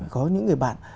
có những người bạn